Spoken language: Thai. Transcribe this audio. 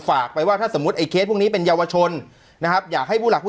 ฝากไปว่าถ้าสมมุติไอ้เคสพวกนี้เป็นเยาวชนนะครับอยากให้ผู้หลักผู้